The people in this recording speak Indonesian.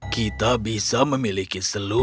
kita bisa memiliki seluruhnya